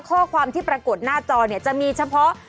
ข้อความที่ปรากฏหน้าจอเนี่ยจะมีเฉพาะ